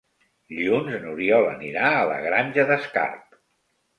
Dilluns n'Oriol anirà a la Granja d'Escarp.